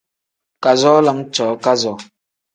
Kazoo lam cooo kazoo.